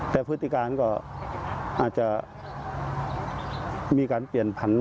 แต่พฤติการก็อาจจะมีการเปลี่ยนผัน